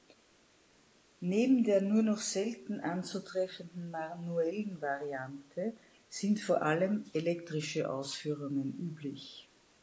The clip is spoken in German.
Neben der nur noch selten anzutreffenden manuellen Variante sind vor allem elektrische Ausführungen üblich.